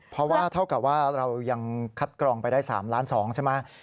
เพราะว่าเท่ากับว่าเรายังคัดกรองไปได้๓ล้าน๒ใช่ไหม